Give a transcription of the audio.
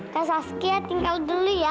keaska tinggal dulu ya